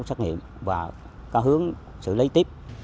xác nghiệm và có hướng xử lý tiếp